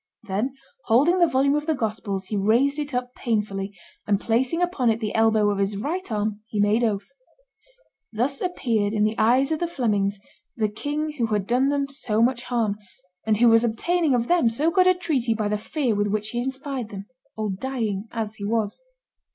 Then, holding the volume of the Gospels, he raised it up painfully, and placing upon it the elbow of his right arm, he made oath. Thus appeared in the eyes of the Flemings that king who had done them so much harm, and who was obtaining of them so good a treaty by the fear with which he inspired them, all dying as he was.